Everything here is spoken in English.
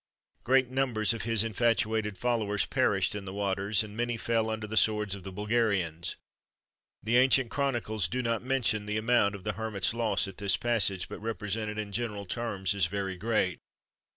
Great numbers of his infatuated followers perished in the waters, and many fell under the swords of the Bulgarians. The ancient chronicles do not mention the amount of the Hermit's loss at this passage, but represent it in general terms as very great.